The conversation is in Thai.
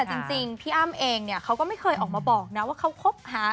แต่จริงพี่อ้ำเองเนี่ยเขาก็ไม่เคยออกมาบอกนะว่าเขาคบหา